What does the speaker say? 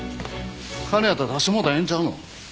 金やったら出してもろうたらええんちゃうの？